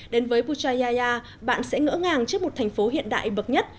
đến với puchaya bạn sẽ ngỡ ngàng trước một thành phố hiện đại bậc nhất